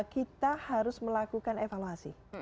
kita harus melakukan evaluasi